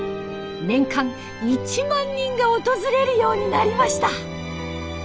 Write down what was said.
年間１万人が訪れるようになりました。